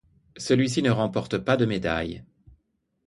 Celui-ci ne remporte pas de médaille.